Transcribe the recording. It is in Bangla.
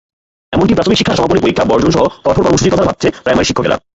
এমনকি প্রাথমিক শিক্ষা সমাপনী পরীক্ষা বর্জনসহ কঠোর কর্মসূচির কথা ভাবছেন প্রাইমারি শিক্ষকেরা।